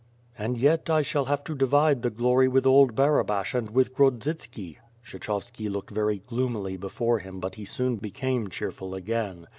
And yet 1 shall have to divide the glory with old Bara bash and with Grodzitski! Kshechovski looked very gloomily before him but he soon became cheerful again.